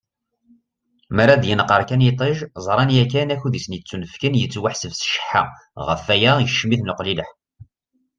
Mi ara d-yenqer kan yiṭij, ẓran yakan akud i asen-yettunefken yettwaḥseb s cceḥḥa, ɣef waya, ikeccem-iten uqlileḥ.